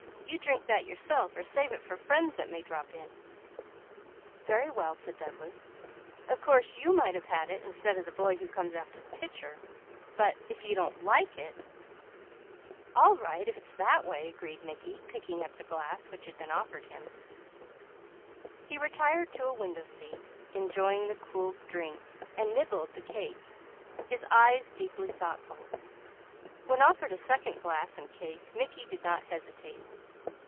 "You drink that yourself or save it for friends that may drop in." "Very well!" said Douglas. "Of course you might have it instead of the boy who comes after the pitcher, but if you don't like it " "All right if that's the way!" agreed Mickey. He retired to a window seat, enjoyed the cool drink and nibbled the cake, his eyes deeply thoughtful. When offered a second glass Mickey did not hesitate.